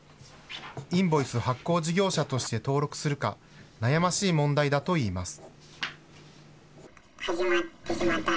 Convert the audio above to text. インボイス発行事業者として登録するか、悩ましい問題だといいます。